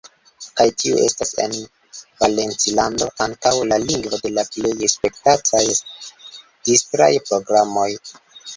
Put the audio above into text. Kaj tiu estas en Valencilando ankaŭ la lingvo de la plej spektataj distraj programoj.